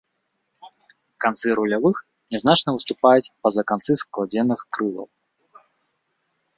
Канцы рулявых нязначна выступаюць па-за канцы складзеных крылаў.